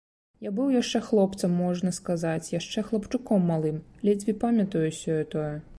Я быў яшчэ хлопцам, можна сказаць, яшчэ хлапчуком малым, ледзьве памятаю сёе-тое.